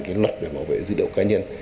cái luật về bảo vệ dữ liệu cá nhân